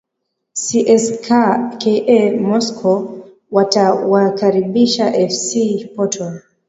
cska moscow watawakaribisha fc portal